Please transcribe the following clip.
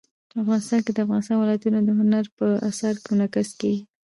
افغانستان کې د افغانستان ولايتونه د هنر په اثار کې منعکس کېږي.